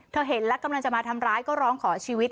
เห็นแล้วกำลังจะมาทำร้ายก็ร้องขอชีวิต